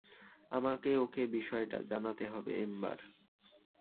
আমার ওকে বিষয়টা জানাতে হবে, এম্বার।